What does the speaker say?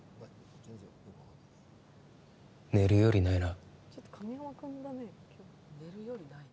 寝るよりないな。